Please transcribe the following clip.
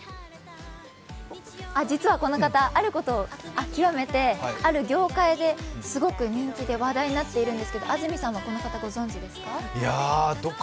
実はこの方、あることを広めてある業界ですごく人気で話題になってるんですけど安住さんはこの方、ご存じですか？